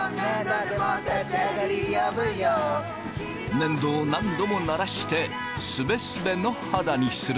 粘土を何度もならしてすべすべの肌にする。